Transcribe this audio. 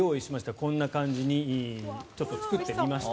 こんな感じに作ってみました。